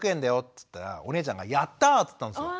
っつったらお姉ちゃんが「やった！」って言ったんですよ。